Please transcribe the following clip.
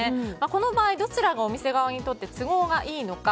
この場合どちらがお店側にとって都合がいいのか。